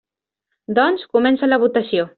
Doncs, comença la votació.